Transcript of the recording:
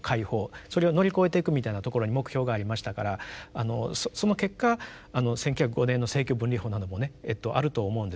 それを乗り越えていくみたいなところに目標がありましたからその結果１９０５年の政教分離法などもねあると思うんですよね。